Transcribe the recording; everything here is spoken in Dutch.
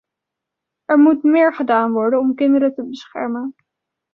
Er moet meer gedaan worden om kinderen te beschermen.